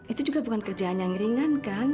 itu juga bukan kerjaan yang ringan kan